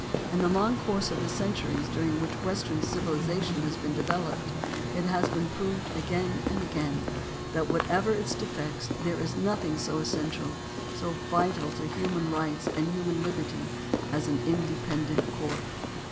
In the long course of the centuries during which western civiliza tion has been developed it has been proved again and again that whatever its defects there is nothing so essential, so vital to human rights and human liberty, as an independent court.